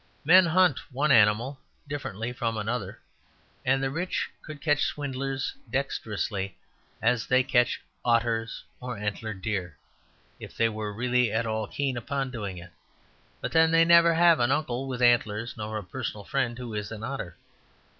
Men hunt one animal differently from another; and the rich could catch swindlers as dexterously as they catch otters or antlered deer if they were really at all keen upon doing it. But then they never have an uncle with antlers; nor a personal friend who is an otter.